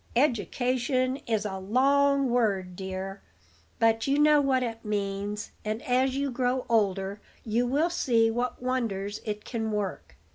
"Education is a long word, dear; but you know what it means, and, as you grow older, you will see what wonders it can work.